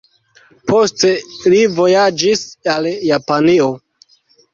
Poste li vojaĝis al Japanio.